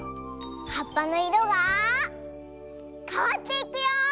はっぱのいろがかわっていくよ！